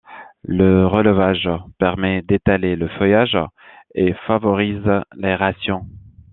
Le relevage permet d'étaler le feuillage et favorise l'aération.